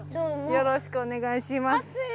よろしくお願いします。